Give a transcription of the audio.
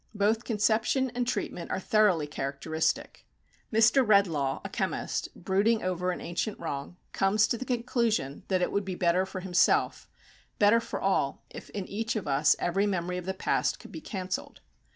Both conception and treatment are thoroughly characteristic. Mr. Redlaw, a chemist, brooding over an ancient wrong, comes to the conclusion that it would be better for himself, better for all, if, in each of us, every memory of the past could be cancelled.